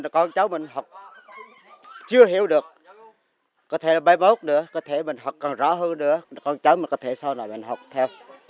con cháu mình học chưa hiểu được có thể là ba mươi một nữa có thể mình học còn rõ hơn nữa con cháu mình có thể sau này mình học theo